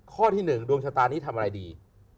ข้อที่๑ดวงชะตานี้ทำอะไรดี